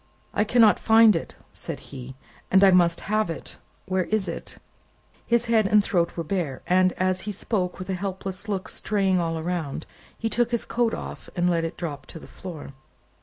"I cannot find it," said he, "and I must have it. Where is it?" His head and throat were bare, and, as he spoke with a helpless look straying all around, he took his coat off, and let it drop on the floor.